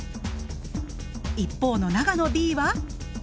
一方の長野Ｂは。